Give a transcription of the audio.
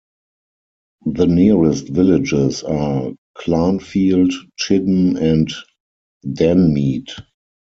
The nearest villages are Clanfield, Chidden and Denmead.